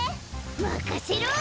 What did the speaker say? まかせろ！